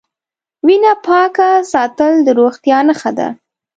وینه پاکه ساتل د روغتیا نښه ده.